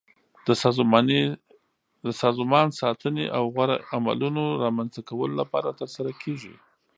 د سازمان ساتنې او غوره عملونو رامنځته کولو لپاره ترسره کیږي.